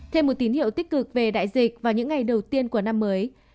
thêm một tín hiệu tích cực về đại dịch vào những ngày đầu tiên của năm mới